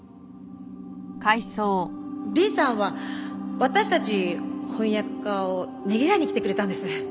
リンさんは私たち翻訳家をねぎらいに来てくれたんです。